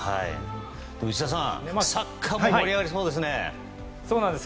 内田さんサッカーも盛り上がりそうですね。